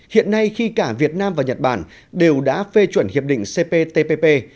hiện nay khi cả việt nam và nhật bản đều đã phê chuẩn hiệp định cptpp